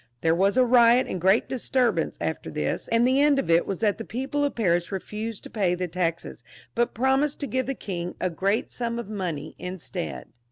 There wa^ a riot and great disturbance after this, and the end of it was that the people of Paris refused to pay the taxes, but promised to give the king a great sum of money instead.